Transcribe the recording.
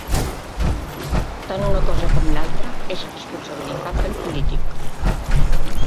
Tant una cosa com l'altre és responsabilitat del polític.